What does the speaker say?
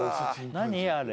何あれ？